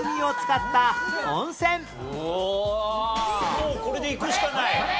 もうこれでいくしかない。